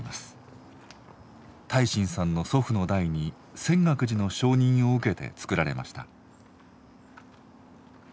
泰信さんの祖父の代に泉岳寺の承認を受けて作られました。